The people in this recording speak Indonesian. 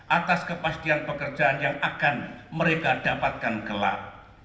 atas kepastian pekerjaan yang akan mereka dapatkan gelar